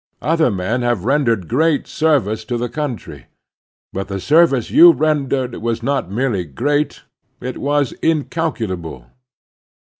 Other men have rendered great service to the cotmtry, but the service you rendered was not merely great — ^it was incalculable.